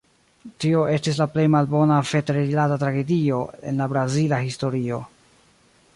Tio estis la plej malbona veter-rilata tragedio en la brazila historio.